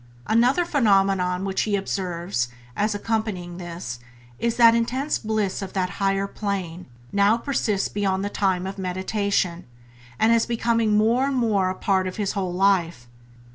Another phenomenon which he observes, as accompanying this, is that the intense bliss of that higher plane now persists beyond the time of meditation and is becoming more and more a part of his whole life.